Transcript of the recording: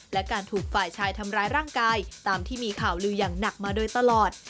และการถูกฝ่ายชายทำร้ายร่างกายตามที่มีข่าวลืออย่างหนักมาโดยตลอด